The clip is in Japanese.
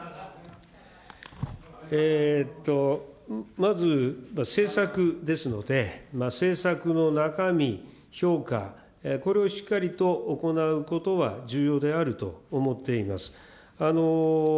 まず政策ですので、政策の中身、評価、これをしっかりと行うことは重要であると思っています。